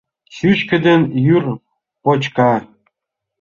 Чӱчкыдын йӱр почка.